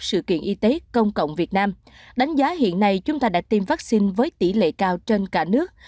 sự kiện y tế công cộng việt nam đánh giá hiện nay chúng ta đã tiêm vaccine với tỷ lệ cao trên cả nước